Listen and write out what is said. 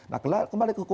nah kembali ke hukum